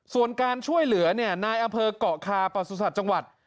ส่วนการช่วยเหลือนายอำเภอกเกาะคาประสุทธิ์จังหวัด